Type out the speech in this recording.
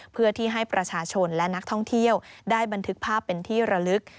เพื่อที่ให้ประชาชนและนักท่องเที่ยวได้บันทึกภาพเป็นที่ระลึก